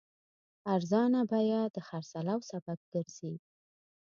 ارزانه بیه د خرڅلاو سبب ګرځي.